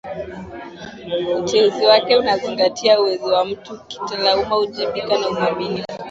Uteuzi wake utazingatia uwezo wa mtu kitaaluma uwajibikaji na uaminifu